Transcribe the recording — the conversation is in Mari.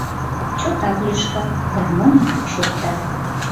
Чотак лӱшкат, гармонь йӱк шокта.